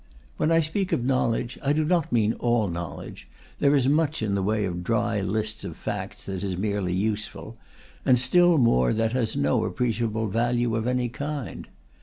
When I speak of knowledge, I do not mean all knowledge; there is much in the way of dry lists of facts that is merely useful, and still more that has no appreciable value of any kind.